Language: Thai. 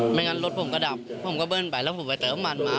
ไม่งั้นรถผมก็ดับผมก็เบิ้ลไปแล้วผมไปเติมน้ำมันมา